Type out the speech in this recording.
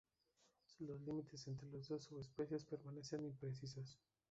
Los límites entre las dos subespecies permanecen imprecisos.